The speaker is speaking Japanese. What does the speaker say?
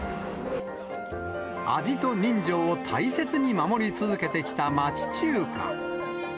味と人情を大切に守り続けてきた町中華。